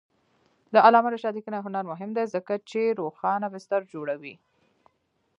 د علامه رشاد لیکنی هنر مهم دی ځکه چې روښانه بستر جوړوي.